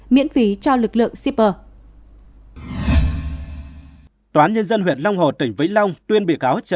miễn phí cho lực lượng shipper